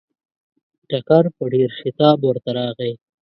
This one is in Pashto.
ټکر په ډېر شتاب ورته راغی.